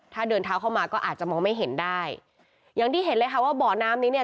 ถ้าเดินเท้าเข้ามาก็อาจจะมองไม่เห็นได้อย่างที่เห็นเลยค่ะว่าเบาะน้ำนี้เนี่ย